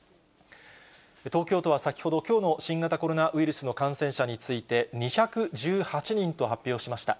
東京都は先ほどきょうの新型コロナウイルスの感染者について、２１８人と発表しました。